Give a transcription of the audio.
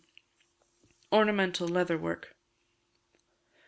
Ornamental Leather Work.